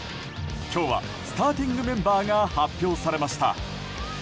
今日はスターティングメンバーが発表されました。